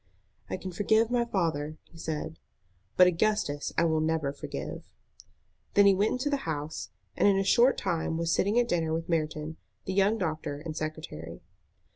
"I can forgive my father," he said, "but Augustus I will never forgive." Then he went into the house, and in a short time was sitting at dinner with Merton, the young doctor and secretary.